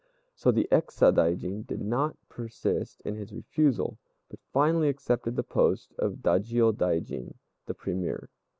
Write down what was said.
So the ex Sadaijin did not persist in his refusal, but finally accepted the post of Dajiôdaijin (the Premier).